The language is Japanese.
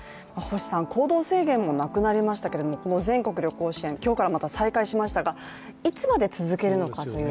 行動制限もなくなりましたけれども、この全国旅行支援、今日からまた再開しましたがいつまで続けるのかという。